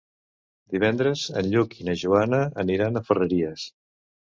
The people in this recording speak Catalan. Divendres en Lluc i na Joana aniran a Ferreries.